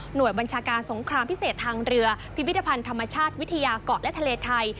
โดยบัญชาการสงครามพิเศษทางเรือพิพิธภัณฑ์ธรรมชาติวิทยาเกาะและทะเลไทย